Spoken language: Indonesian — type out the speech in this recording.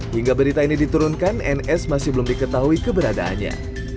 hingga berita ini diturunkan ns masih belum diketahui keberadaannya